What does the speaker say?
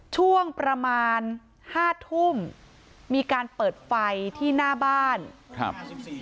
ช่วงประมาณห้าทุ่มมีการเปิดไฟที่หน้าบ้านครับ